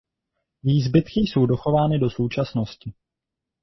Její zbytky jsou dochovány do současnosti.